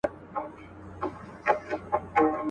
په دا ماته ژبه چاته پیغام ورکړم.